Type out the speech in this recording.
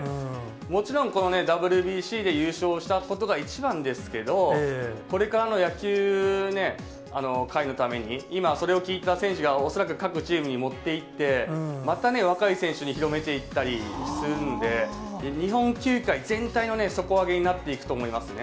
もちろんこのＷＢＣで優勝したことが一番ですけど、これからの野球界のために、恐らく各チームに持っていって、また若い選手に広めていったりするんで、日本球界全体の底上げになっていくと思いますね。